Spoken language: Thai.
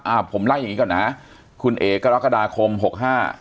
อ่าผมไล่อย่างงี้ก่อนนะคุณเอ๋กรกฎาคมหกห้า